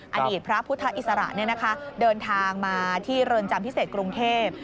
อดีตพระพุทธอิสระเดินทางมาที่เรือนจำพิเศษกรุงเทพ